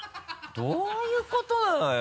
どういうことなのよ？